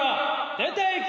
・出ていけ！